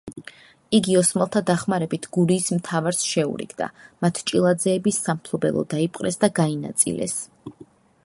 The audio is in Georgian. იგი ოსმალთა დახმარებით გურიის მთავარს შეურიგდა; მათ ჭილაძეების სამფლობელო დაიპყრეს და გაინაწილეს.